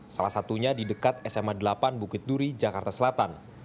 salah satunya di dekat sma delapan bukit duri jakarta selatan